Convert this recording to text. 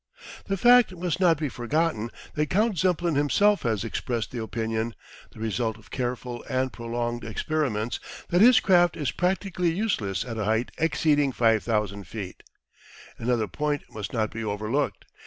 The fact must not be forgotten that Count Zeppelin himself has expressed the opinion, the result of careful and prolonged experiments, that his craft is practically useless at a height exceeding 5,000 feet. Another point must not be overlooked.